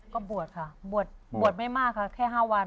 ก็บวชค่ะบวชไม่มากค่ะแค่๕วัน